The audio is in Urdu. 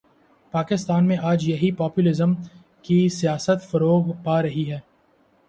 پاکستان میں آج یہی پاپولزم کی سیاست فروغ پا رہی ہے۔